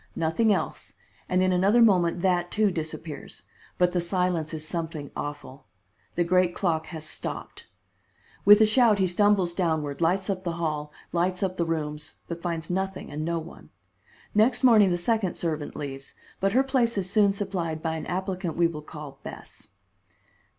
Nothing else and in another moment that, too, disappears; but the silence is something awful the great clock has stopped. With a shout he stumbles downward, lights up the hall, lights up the rooms, but finds nothing, and no one. Next morning the second servant leaves, but her place is soon supplied by an applicant we will call Bess.